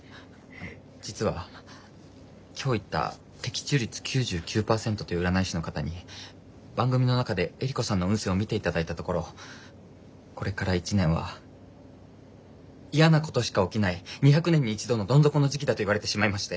実は今日行った的中率９９％という占い師の方に番組の中でエリコさんの運勢を見て頂いたところこれから１年はイヤなことしか起きない２００年に一度のどん底の時期だと言われてしまいまして。